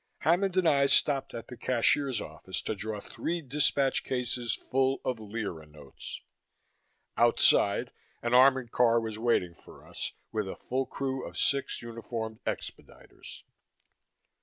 Hammond and I stopped at the cashier's office to draw three dispatch cases full of lira notes. Outside, an armored car was waiting for us, with a full crew of six uniformed expediters.